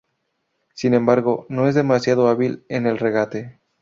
Sin embargo, no es demasiado hábil en el regate.